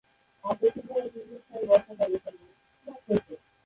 আপেক্ষিকভাবে দীর্ঘস্থায়ী বর্ষাকাল এখানে।